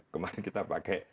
kemarin kita pakai